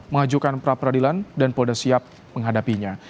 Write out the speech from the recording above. mengajukan pra peradilan dan polda siap menghadapinya